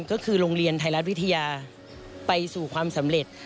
ก็คือโรงเรียนไทยรัฐวิทยาไปสู่ความสำเร็จ